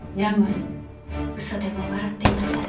嘘でも笑っていなされ。